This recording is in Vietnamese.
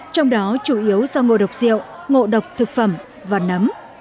trong đó chủ yếu do ngộ độc rượu ngộ độc thực phẩm và nấm